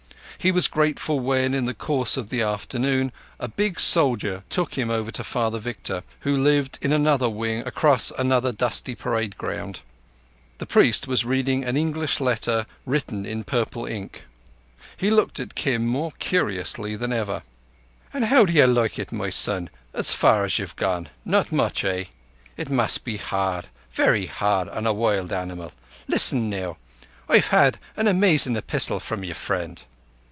He was grateful when, in the course of the afternoon, a big soldier took him over to Father Victor, who lived in another wing across another dusty parade ground. The priest was reading an English letter written in purple ink. He looked at Kim more curiously than ever. "An' how do you like it, my son, as far as you've gone? Not much, eh? It must be hard—very hard on a wild animal. Listen now. I've an amazin' epistle from your friend."